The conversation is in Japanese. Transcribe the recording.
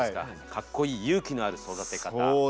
「かっこいい勇気のある育てかた」。